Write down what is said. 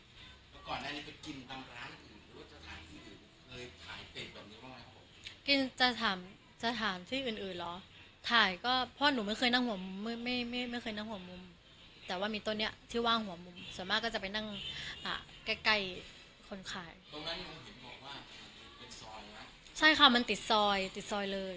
แล้วก่อนอันนี้ก็กินตามร้านอื่นหรือว่าจะถ่ายที่อื่นเคยถ่ายเป็นแบบนี้หรอครับผมกินจะถามจะถามที่อื่นอื่นหรอถ่ายก็เพราะหนูไม่เคยนั่งหัวมุมไม่ไม่ไม่เคยนั่งหัวมุมแต่ว่ามีตัวเนี้ยที่ว่างหัวมุมส่วนมากก็จะไปนั่งอ่ะใกล้ใกล้คนขายตรงนั้นมันเห็นบอกว่าเป็นซอยนะใช่ค่ะมันติดซอยติดซอยเลย